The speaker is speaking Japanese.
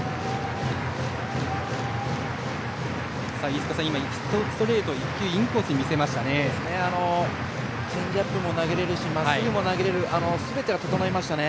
飯塚さん、ストレート１球インコースに見せましたね。